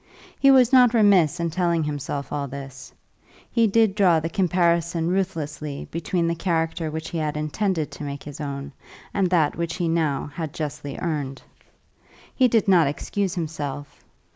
He was not remiss in telling himself all this. He did draw the comparison ruthlessly between the character which he had intended to make his own and that which he now had justly earned. He did not excuse himself.